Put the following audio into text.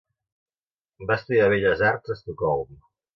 Va estudiar Belles Arts a Estocolm.